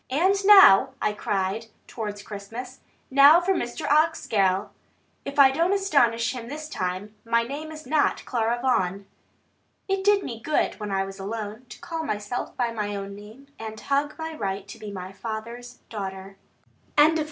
"And now," I cried towards Christmas, "now for Mr. Oxgall; if I don't astonish him this time, my name is not Clara Vaughan!" It did me good when I was alone, to call myself by my own name, and my right to be my father's daughter. CHAPTER XIV.